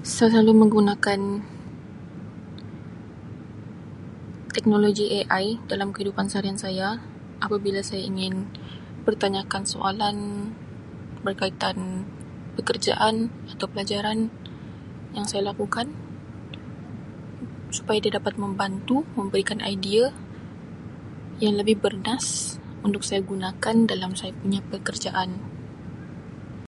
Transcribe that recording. Saya selalu menggunakan teknologi AI dalam kehidupan seharian saya apabila saya ingin bertanyakan soalan berkaitan pekerjaan atau pelajaran yang saya lakukan supaya dia dapat membantu memberikan idea yang lebih bernas untuk saya gunakan dalam saya punya pekerjaan.